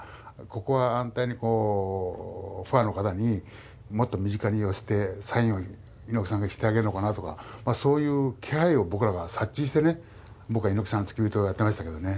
ここは反対にファンの方にもっと身近に寄せてサインを猪木さんがしてあげるのかなとかそういう気配をぼくらが察知してねぼくは猪木さんの付き人やってましたけどね。